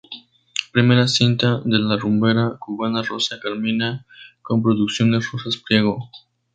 Primera cinta de la rumbera cubana Rosa Carmina con Producciones Rosas Priego.